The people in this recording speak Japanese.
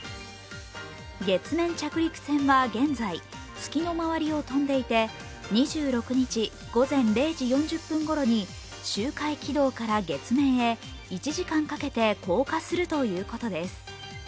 月面着陸船は現在、月の周りを飛んでいて２６日午前０時４０分ごろに周回軌道から月面へ１時間かけて降下するということです。